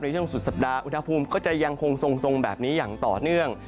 ช่วงสุดสัปดาห์อุณหภูมิก็จะยังคงทรงแบบนี้อย่างต่อเนื่อง